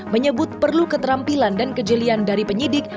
menyebut perlu keterampilan dan kejelian dari penyidik